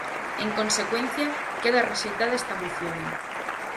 En consecuencia, queda rexeitada esta moción.